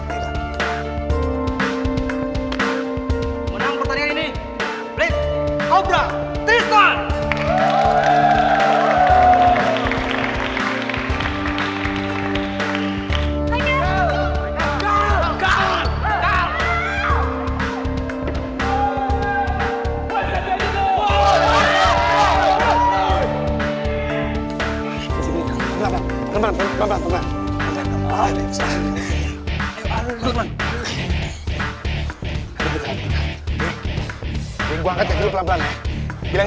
pelan pelan aja kita ya